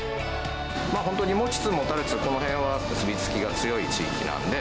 本当に持ちつ持たれつ、この辺は結び付きが強い地域なんで。